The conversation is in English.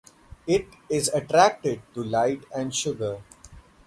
It is attracted to light and sugar.